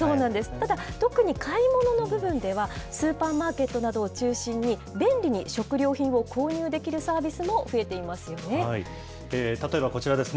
ただ、特に買い物の部分では、スーパーマーケットなどを中心に、便利に食料品を購入できるサービ例えばこちらですね。